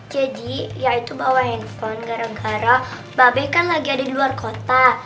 jadi ya itu bawa handphone gara gara mpa abe kan lagi ada di luar kota